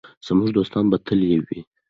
زموږ دوستان به تل یو وي.